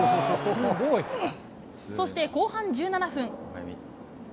すごい！そして後半１７分。